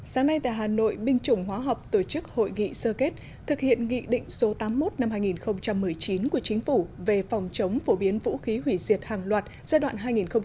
sáng nay tại hà nội binh chủng hóa học tổ chức hội nghị sơ kết thực hiện nghị định số tám mươi một năm hai nghìn một mươi chín của chính phủ về phòng chống phổ biến vũ khí hủy diệt hàng loạt giai đoạn hai nghìn một mươi tám hai nghìn hai mươi